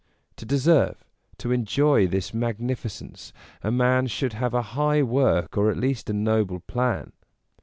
To deserve, to enjoy this mag nificence, a man should have a high work, or at least a noble plan.